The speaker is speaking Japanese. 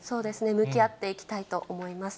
向き合っていきたいと思います。